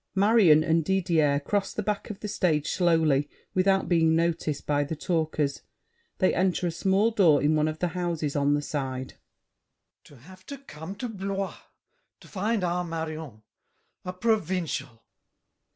[Marion and Didier cross the back of the stage slowly without being noticed by the talkers; they enter a small door in one of the houses on the side. GASSÉ. To have to come to Blois To find our Marion, a provincial!